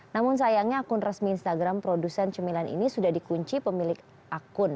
namun sayangnya akun resmi instagram produsen cemilan ini sudah dikunci pemilik akun